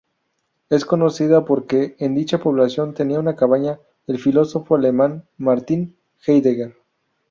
Es conocida porque en dicha población tenía una cabaña el filósofo alemán Martin Heidegger.